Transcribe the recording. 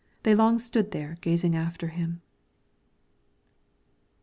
They long stood there gazing after him.